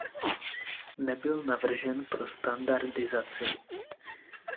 Nebyl navržen pro standardizaci.